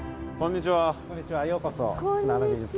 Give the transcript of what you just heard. こんにちは。